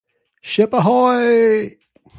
Ship Ahoy!